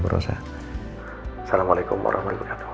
assalamualaikum wr wb